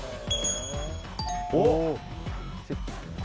「おっ！」